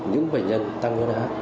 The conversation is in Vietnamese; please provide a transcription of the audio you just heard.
những bệnh nhân tăng huyết áp